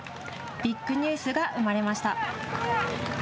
ビッグニュースが生まれました。